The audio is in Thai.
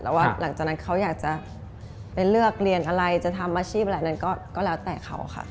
แล้วว่าหลังจากนั้นเขาอยากจะไปเลือกเรียนอะไรจะทำอาชีพอะไรนั้นก็แล้วแต่เขาค่ะ